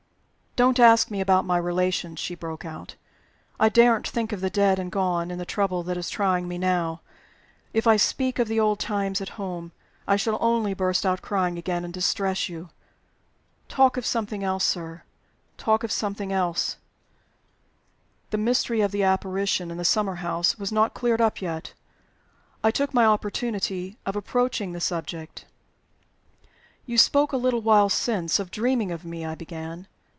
"Don't ask me about my relations!" she broke out. "I daren't think of the dead and gone, in the trouble that is trying me now. If I speak of the old times at home, I shall only burst out crying again, and distress you. Talk of something else, sir talk of something else." The mystery of the apparition in the summer house was not cleared up yet. I took my opportunity of approaching the subject. "You spoke a little while since of dreaming of me," I began.